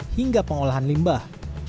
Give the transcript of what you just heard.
hingga pengolahan limbah